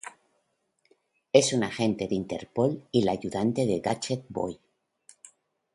Es una agente de Interpol y la ayudante de Gadget Boy.